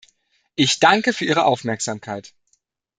Ich danke für Ihre Aufmerksamkeit!